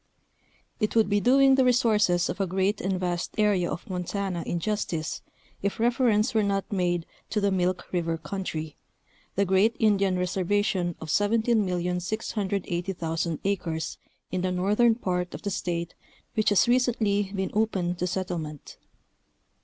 . It would be doing the resources of a great and vast area of Montana injustice if reference were not made to the Milk River country, the great Indian reservation of 17,680,000 acres in the northern part of the State which has recently been open to settlement.